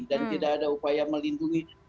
dan tidak ada upaya melindungi apapun